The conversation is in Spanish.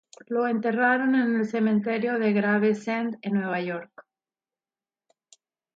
Lo enterraron en el cementerio de Gravesend en Nueva York.